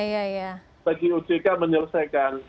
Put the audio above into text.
bagi ojk menyelesaikan